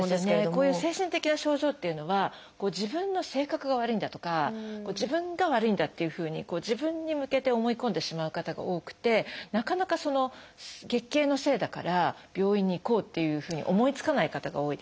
こういう精神的な症状っていうのは自分の性格が悪いんだとか自分が悪いんだっていうふうに自分に向けて思い込んでしまう方が多くてなかなか月経のせいだから病院に行こうっていうふうに思いつかない方が多いですね。